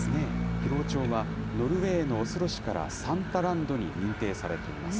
広尾町はノルウェーのオスロ市からサンタランドに認定されています。